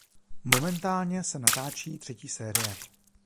Momentálně se natáčí třetí série.